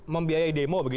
membiayai demo begitu